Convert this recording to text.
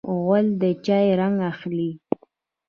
غول د چای رنګ اخلي.